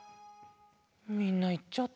みんないっちゃった。